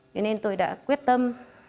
thế nên tôi đã quyết tâm